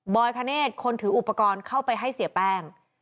คเนธคนถืออุปกรณ์เข้าไปให้เสียแป้ง